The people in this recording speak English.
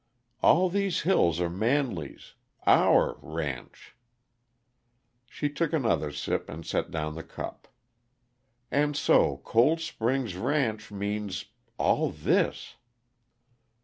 "All these hills are Manley's our ranch." She took another sip and set down the cup. "And so Cold Spring Ranch means all this."